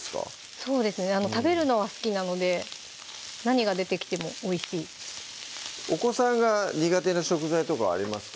そうですね食べるのは好きなので何が出てきてもおいしいお子さんが苦手な食材とかはありますか？